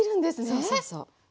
そうそうそう。